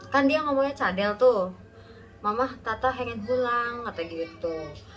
kan dia ngomongnya cadel tuh mama tata pengen pulang kata gitu